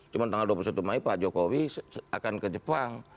cuma tanggal dua puluh satu mei pak jokowi akan ke jepang